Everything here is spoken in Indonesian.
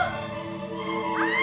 aduh gimana ini